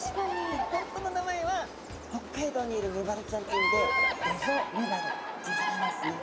本当の名前は北海道にいるメバルちゃんという意味でエゾメバルっていう魚なんですね。